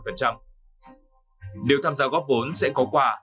nếu tham gia góp vốn sẽ có quà